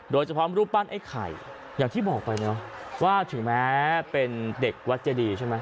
รูปปั้นไอ้ไข่อย่างที่บอกไปเนอะว่าถึงแม้เป็นเด็กวัดเจดีใช่ไหม